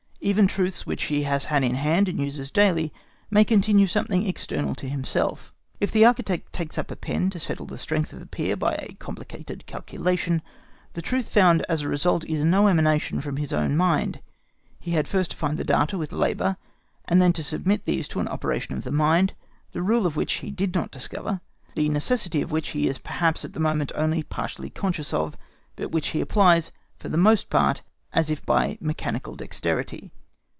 Even truths which he has in hand and uses daily may continue something external to himself, If the architect takes up a pen to settle the strength of a pier by a complicated calculation, the truth found as a result is no emanation from his own mind. He had first to find the data with labour, and then to submit these to an operation of the mind, the rule for which he did not discover, the necessity of which he is perhaps at the moment only partly conscious of, but which he applies, for the most part, as if by mechanical dexterity.